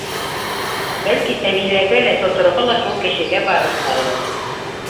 Бәлки, Сәбиләгә лә тоторға ла шул кешегә барырғалыр?